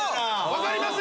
わかります？